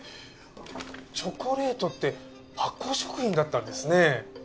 チョコレートって発酵食品だったんですね。